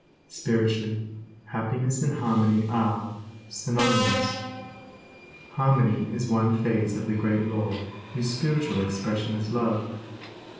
Spiritually, happiness and harmony are, synonymous. Harmony is one phase of the Great Law whose spiritual expression is love.